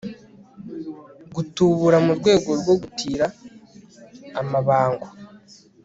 gutubura mu rwego rwo gutira amabango